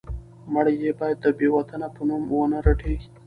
مړی یې باید د بې وطنه په نوم ونه رټي.